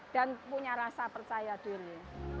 dan punya rasa percaya diri